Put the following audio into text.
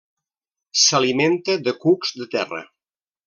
S'alimenta de cucs de terra.